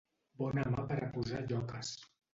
Bona mà per a posar lloques.